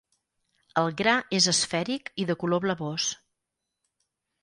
El gra és esfèric i de color blavós.